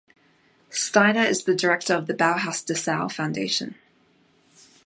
Steiner is the director of the Bauhaus Dessau Foundation.